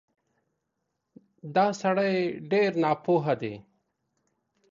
دا سړی ډېر ناپوه دی